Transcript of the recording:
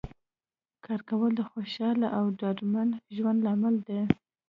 کار کول د خوشحاله او ډاډمن ژوند لامل دی